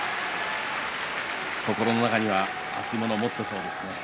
心の中には熱いものも持っていそうですね。